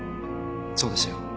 そうですよ。